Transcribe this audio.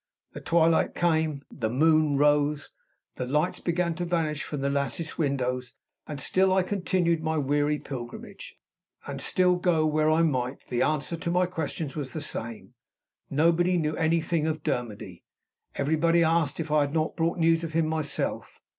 The twilight came; the moon rose; the lights began to vanish from the lattice windows; and still I continued my weary pilgrimage; and still, go where I might, the answer to my questions was the same. Nobody knew anything of Dermody. Everybody asked if I had not brought news of him myself.